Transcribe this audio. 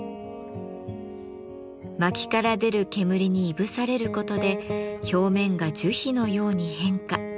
まきから出る煙にいぶされることで表面が樹皮のように変化。